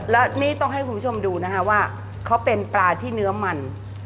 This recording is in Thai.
และนี่ต้องให้คุณผู้ชมดูนะคะว่าเขาเป็นปลาที่เนื้อมัน